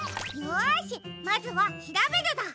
よしまずは「しらべる」だ。